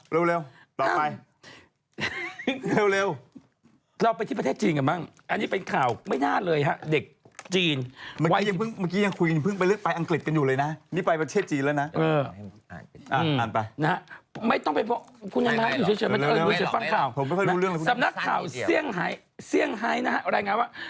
เร็วเราไปที่ประเทศจีนกันบ้างอันนี้เป็นข่าวไม่น่าเลยครับ